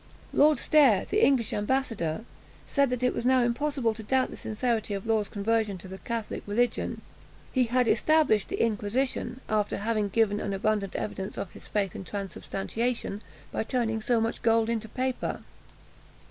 Lord Stair, the English ambassador, said, that it was now impossible to doubt of the sincerity of Law's conversion to the Catholic religion; he had established the inquisition, after having given abundant evidence of his faith in transubstantiation, by turning so much gold into paper.